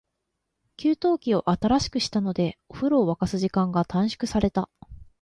給湯器を新しくしたので、お風呂を沸かす時間が短縮された。